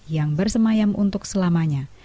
yang bersemayam untuk selamanya